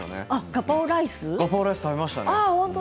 ガパオライス食べました。